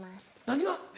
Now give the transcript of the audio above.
何が？